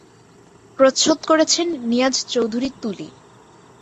প্রচ্ছদ করেছেন নিয়াজ চৌধুরী তুলি।